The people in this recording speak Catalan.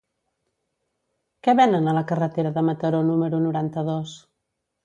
Què venen a la carretera de Mataró número noranta-dos?